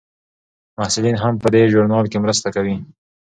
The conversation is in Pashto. محصلین هم په دې ژورنال کې مرسته کوي.